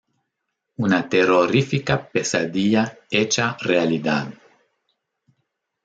Una terrorífica pesadilla hecha realidad.